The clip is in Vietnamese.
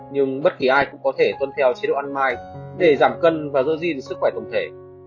nhưng bất kỳ ai cũng có thể tuân theo chế độ ăn mai để giảm cân và giữ gìn sức khỏe tổng thể